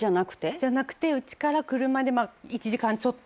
じゃなくてうちから車で１時間ちょっと。